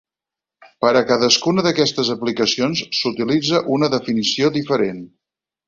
Per a cadascuna d'aquestes aplicacions, s'utilitza una definició diferent.